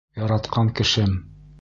Яратҡан кешем!